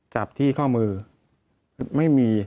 จับที่ข้อมือไม่มี